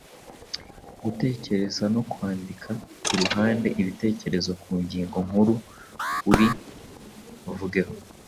Gutekereza no kwandika ku ruhande ibitekerezo ku ngingo nkuru uri buvugeho